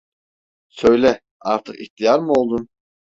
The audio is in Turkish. Söyle, artık ihtiyar mı oldun?